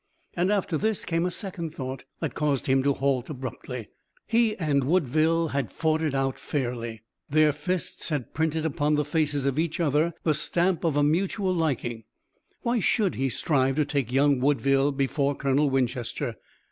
And after this came a second thought that caused him to halt abruptly. He and Woodville had fought it out fairly. Their fists had printed upon the faces of each other the stamp of a mutual liking. Why should he strive to take young Woodville before Colonel Winchester?